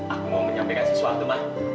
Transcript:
aku mau menyampaikan sesuatu mbak